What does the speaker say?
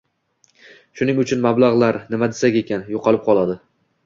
Shuning uchun mablag‘lar... nima desak ekan... yo‘qolib qoladi.